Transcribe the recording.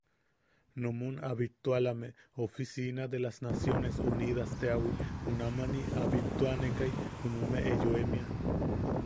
numun a bittualame oficina de las naciones unidas teawi junamani a bittuanekai junumeʼe yoemia,.